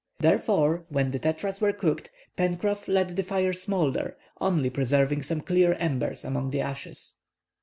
Therefore, when the tetras were cooked Pencroff let the fire smoulder, only preserving some clear embers among the ashes.